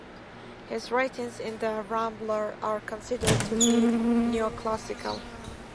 His writings in "The Rambler" are considered to be neoclassical.